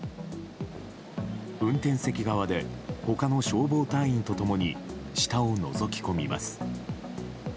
運転席側で他の消防隊員と共に下をのぞき込みます。